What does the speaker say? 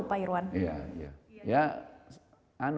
lalu apa pak irwan